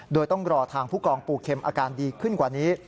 โดยต้องรอทางผู้กองปูเข็มอาการดีขึ้นกว่านี้